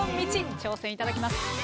挑戦いただきます。